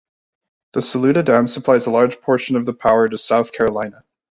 The Saluda Dam supplies a large portion of the power to South Carolina.